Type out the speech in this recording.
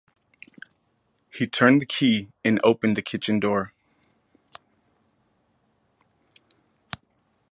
He turned the key and opened the kitchen door.